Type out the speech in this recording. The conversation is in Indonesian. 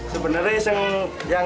sebenarnya yang sempurna